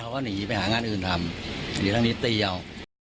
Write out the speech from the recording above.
ว่าหนีไปหางานอื่นทำหนีทางนี้ตีเอา